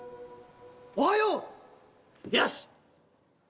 おはよう！よし！